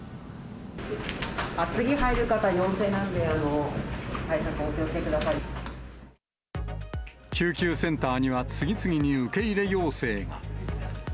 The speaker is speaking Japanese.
次入る方、陽性なんで、救急センターには次々に受け入れ要請が。